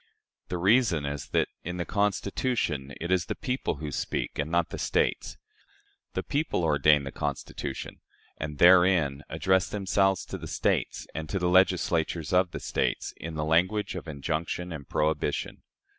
The reason is that, in the Constitution, it is the people who speak and not the States. The people ordain the Constitution, and therein address themselves to the States and to the Legislatures of the States in the language of injunction and prohibition."